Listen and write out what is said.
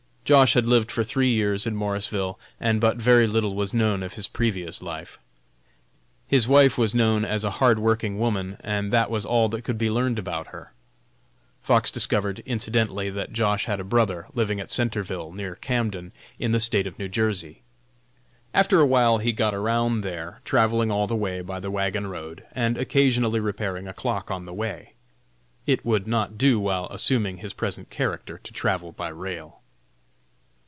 Josh. had lived for three years in Morrisville, and but very little was known of his previous life. His wife was known as a hard working woman, and that was all that could be learned about her. Fox discovered, incidentally, that Josh. had a brother living at Centreville, near Camden, in the State of New Jersey. After a while he got around there, travelling all the way by the wagon road, and occasionally repairing a clock on the way. It would not do while assuming his present character to travel by rail.